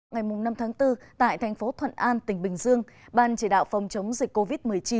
ngày năm tháng bốn tại thành phố thuận an tỉnh bình dương ban chỉ đạo phòng chống dịch covid một mươi chín